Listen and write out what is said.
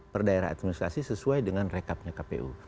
per daerah administrasi sesuai dengan rekapnya kpu